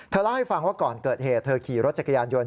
เธอเล่าให้ฟังว่าเกิดเหตุเธอขี่รถกระยันยนต์